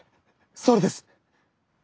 それです！